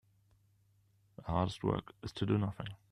The hardest work is to do nothing.